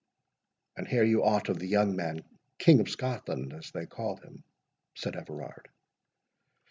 "And hear you aught of the young man, King of Scotland, as they call him?" said Everard.